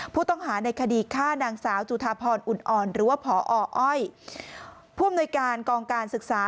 ผู้ต้องหาในคดีฆ่านางสาวจุธาพรอุ่นอ่อนหรือปออ้อย